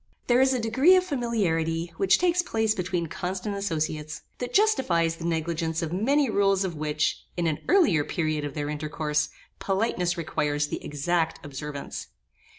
There is a degree of familiarity which takes place between constant associates, that justifies the negligence of many rules of which, in an earlier period of their intercourse, politeness requires the exact observance.